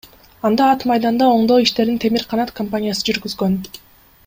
Анда ат майданда оңдоо иштерин Темир Канат компаниясы жүргүзгөн.